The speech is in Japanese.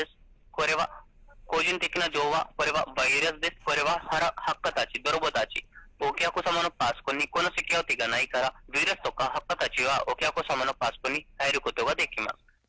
これは個人的な情報は、です、これはハッカーたち、泥棒たち、お客様のパソコンにこのセキュリティーがないから、ウイルスとか、ハッカーたちは、お客様のパソコンに入ることができます。